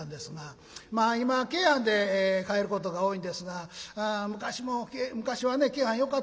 まあ今は京阪で帰ることが多いんですが昔はね京阪よかったんですよ。